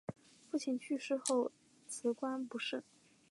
父亲去世后辞官不仕。